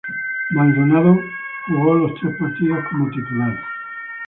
Maldonado jugó los tres partidos como titular.